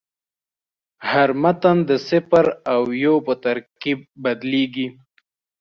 هر متن د صفر او یو په ترکیب بدلېږي.